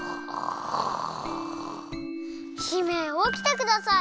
姫おきてください！